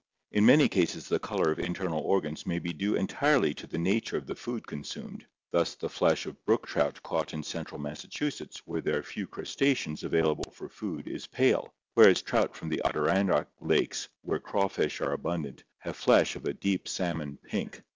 In many cases the color of internal organs may be due entirely to the nature of the food consumed; thus the flesh of brook trout caught in cen tral Massachusetts where there are few crustaceans available for food is pale, whereas trout from the Adirondack lakes where craw fish are abundant have flesh of a deep salmon pink.